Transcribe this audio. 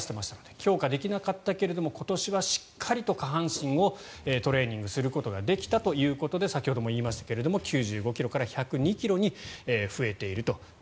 強化できなかったけども今年はしっかりと下半身をトレーニングすることができたということで先ほども言いましたが９５ｋｇから１０２ｋｇに増えていると。